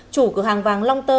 chủ cửa hàng vàng long tơ